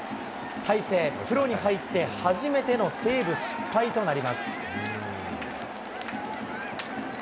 大勢、プロに入って、初めてのセーブ失敗となります。